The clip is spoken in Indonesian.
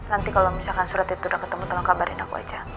nanti kalau misalkan surat itu udah ketemu tolong kabarin aku aja